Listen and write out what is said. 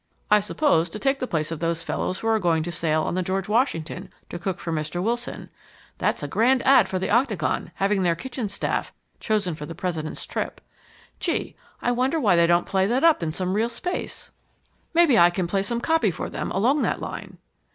"I suppose, to take the place of those fellows who are going to sail on the George Washington to cook for Mr. Wilson. That's a grand ad for the Octagon, having their kitchen staff chosen for the President's trip. Gee, I wonder why they don't play that up in some real space? Maybe I can place some copy for them along that line."